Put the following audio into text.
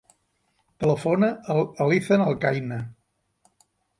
Telefona a l'Ethan Alcaina.